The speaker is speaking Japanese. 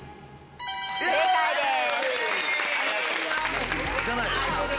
正解です。